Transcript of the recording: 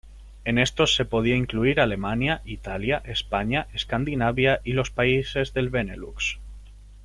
En estos se podría incluir Alemania, Italia, España, Escandinavia y los países del Benelux.